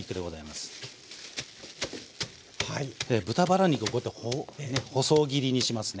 で豚バラ肉をこうやって細切りにしますね。